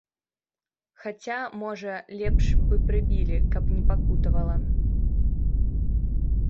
Хаця, можа, лепш бы прыбілі, каб не пакутавала.